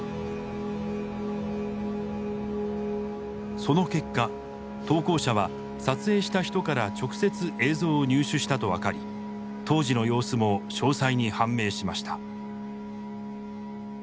その結果投稿者は撮影した人から直接映像を入手したと分かり当時の様子も詳細に判明しました。